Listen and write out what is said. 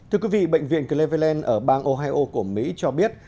thưa quý vị bệnh viện cleveland ở bang ohio của mỹ cho biết